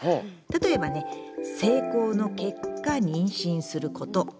例えばね性交の結果妊娠すること。